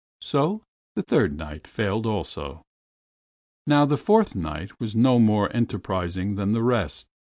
So the Third Knight failed also. Now the Fourth Knight was no more enterprising than the rest.